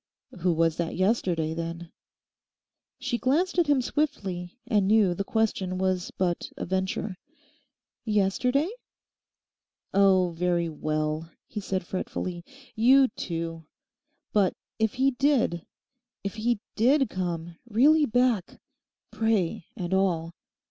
'Who was that yesterday, then?' She glanced at him swiftly and knew the question was but a venture. 'Yesterday?' 'Oh, very well,' he said fretfully, 'you too! But if he did, if he did, come really back: "prey" and all?